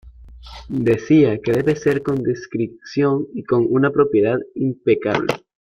Decía que “debe ser con discreción y con una propiedad impecable...